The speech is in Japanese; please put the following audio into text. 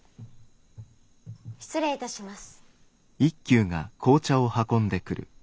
失礼いたします。